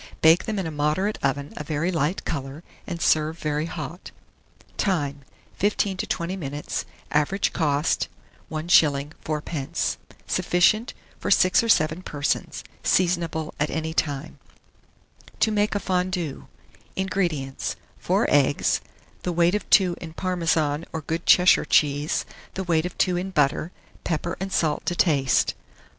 Bake them in a moderate oven a very light colour, and serve very hot. Time. 15 to 20 minutes. Average cost, 1s. 4d. Sufficient for 6 or 7 persons. Seasonable at any time. TO MAKE A FONDUE. 1643. INGREDIENTS. 4 eggs, the weight of 2 in Parmesan or good Cheshire cheese, the weight of 2 in butter; pepper and salt to taste.